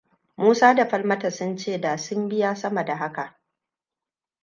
Musa da Falmata sun ce da sun biya sama da haka.